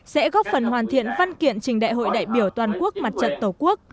sẽ góp phần hoàn thiện văn kiện trình đại hội đại biểu toàn quốc mặt trận tổ quốc